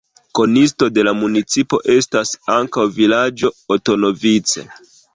Konisto de la municipo estas ankaŭ vilaĝo Otonovice.